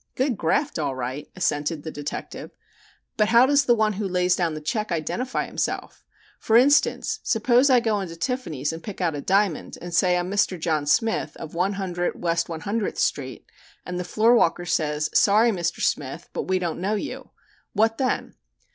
"Good graft, all right," assented the detective. "But how does the one who lays down the check identify himself? For instance, suppose I go into Tiffany's and pick out a diamond, and say I'm Mr. John Smith, of 100 West One Hundredth Street, and the floorwalker says, 'Sorry, Mr. Smith, but we don't know you,' what then?"